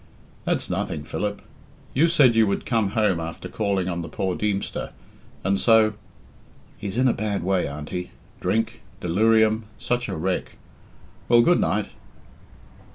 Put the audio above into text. "That's nothing, Philip. You said you would come home after calling on the poor Deemster, and so " "He's in a bad way, Auntie. Drink delirium such a wreck. Well, good night!"